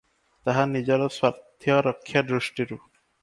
ତାହା ନିଜର ସ୍ୱାର୍ଥ ରକ୍ଷା ଦୃଷ୍ଟିରୁ ।